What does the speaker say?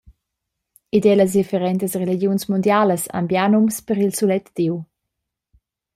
Ed era las differentas religiuns mundialas han bia nums per il sulet Diu.